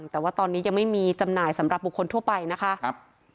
แต่ว่าตอนนี้ยังไม่มีจำหน่ายสำหรับบุคคลทั่วไปนะคะ